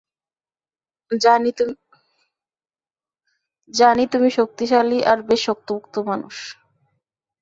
জানি তুমি শক্তিশালী আর বেশ শক্তপোক্ত মানুষ।